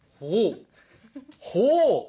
ほう！